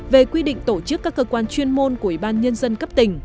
về quy định tổ chức các cơ quan chuyên môn của ủy ban nhân dân cấp tỉnh